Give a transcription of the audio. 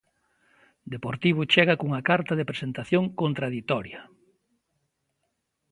Deportivo chega cunha carta de presentación contraditoria.